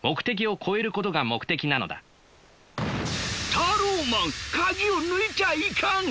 タローマン鍵を抜いちゃいかん！